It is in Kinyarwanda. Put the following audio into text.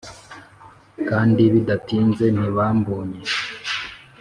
kandi bidatinze, ntibambonye.